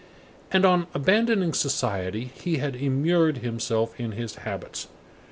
And, on abandoning society, he had immured himself in his habits.